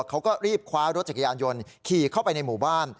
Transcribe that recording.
เขาก็รีบคว้ารถจักรยานยนต์ขี่เข้าไปในหมู่บ้าน